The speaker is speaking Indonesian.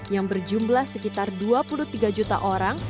yang berjumlah sekitar dua puluh tiga juta orang